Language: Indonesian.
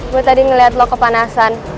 gue tadi ngeliat lo kepanasan